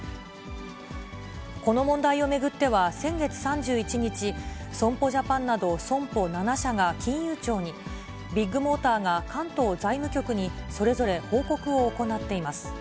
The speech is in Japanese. この問題を巡っては先月３１日、損保ジャパンなど、損保７社が金融庁に、ビッグモーターが関東財務局に、それぞれ報告を行っています。